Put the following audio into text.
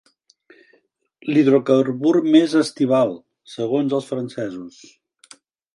L'hidrocarbur més estival, segons els francesos.